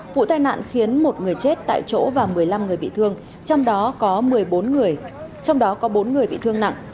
vụ tai nạn khiến một người chết tại chỗ và một mươi năm người bị thương trong đó có bốn người bị thương nặng